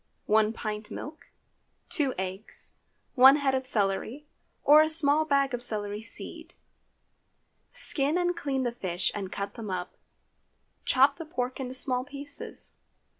1 pint milk. 2 eggs. 1 head of celery, or a small bag of celery seed. Skin and clean the fish and cut them up. Chop the pork into small pieces.